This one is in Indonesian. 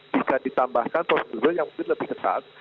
jika ditambahkan prosedur yang mungkin lebih ketat